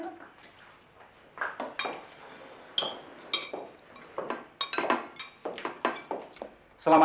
selamat malam semuanya